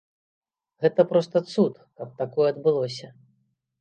Гэта проста цуд, каб такое адбылося.